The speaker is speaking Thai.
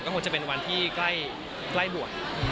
คงจะเป็นวันที่ใกล้บวช